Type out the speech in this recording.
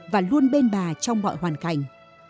và luôn bên bà trong mọi hoàn cảnh